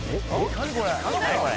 何これ？